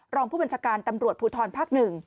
รองผู้บัญชาการตำรวจภูทรภาค๑